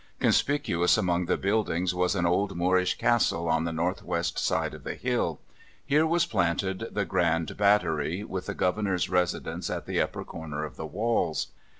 Conspicuous among the buildings was an old Moorish castle on the north west side of the hill: here was planted the Grand Battery, with the Governor's residence at the upper corner of the walls.